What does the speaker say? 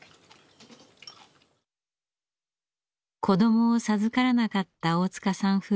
子どもを授からなかった大塚さん